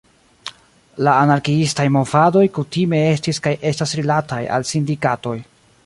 La anarkiistaj movadoj kutime estis kaj estas rilataj al sindikatoj.